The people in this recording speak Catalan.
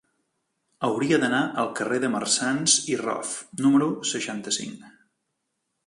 Hauria d'anar al carrer de Marsans i Rof número seixanta-cinc.